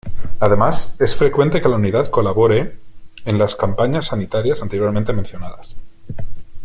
Además, es frecuente que la unidad colabore en las campañas sanitarias anteriormente mencionadas.